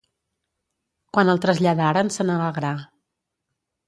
Quan el traslladaren se n'alegrà.